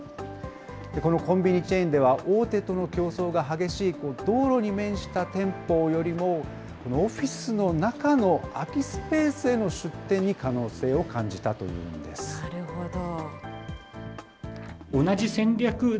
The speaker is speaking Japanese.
このコンビニチェーンでは、大手との競争が激しい道路に面した店舗よりも、オフィスの中の空きスペースへの出店に可能性を感じたというんでなるほど。